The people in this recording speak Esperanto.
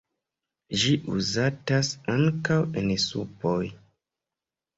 Ĝi uzatas ankaŭ en supoj.